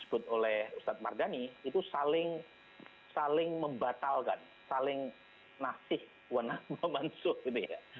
yang disebut oleh ustadz mardani itu saling membatalkan saling nasih wana mamansuh gitu ya